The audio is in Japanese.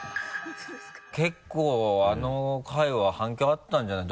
結構あの回は反響あったんじゃない？